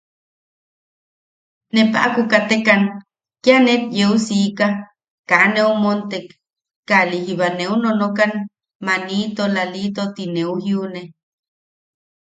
Ne paʼaku katek kia net yeu siika, kaa neu montek, kaʼali jiba neu nonokan, manito Lalito ti neu jiune.